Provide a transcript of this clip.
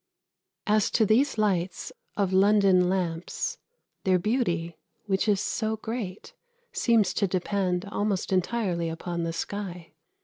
As to these lights of London lamps, their beauty, which is so great, seems to depend almost entirely upon the sky.